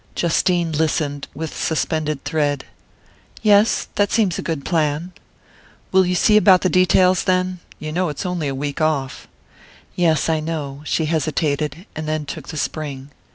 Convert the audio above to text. Justine listened with suspended thread. "Yes that seems a good plan." "Will you see about the details, then? You know it's only a week off." "Yes, I know." She hesitated, and then took the spring.